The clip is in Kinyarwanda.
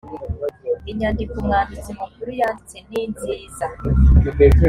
inyandiko umwanditsi mukuru yanditse ninziza